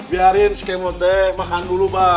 biarin si kemot deh makan dulu